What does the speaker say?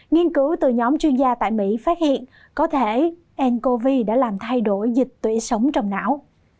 nghiên cứu từ nhóm chuyên gia tại mỹ phát hiện có thể ncov đã làm thay đổi dịch tủy sống trong não